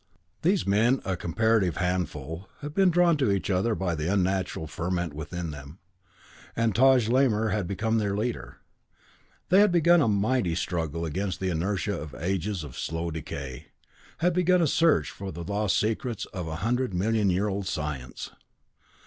These men, a comparative handful, had been drawn to each other by the unnatural ferment within them; and Taj Lamor had become their leader. They had begun a mighty struggle against the inertia of ages of slow decay, had begun a search for the lost secrets of a hundred million year old science.